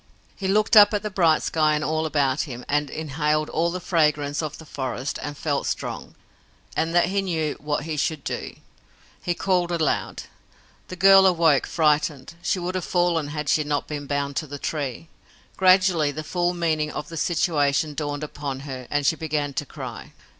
He looked up at the bright sky and all about him, and inhaled all the fragrance of the forest, and felt strong, and that he knew what he should do. He called aloud. The girl awoke, frightened. She would have fallen had she not been bound to the tree. Gradually, the full meaning of the situation dawned upon her and she began to cry.